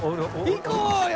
行こうよ！